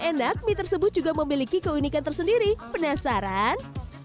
enak mie tersebut juga memiliki keunikan tersendiri penasaran